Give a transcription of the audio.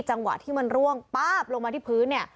จังหวะที่มันร่วงป๊าบลงมาที่พื้นเนี่ย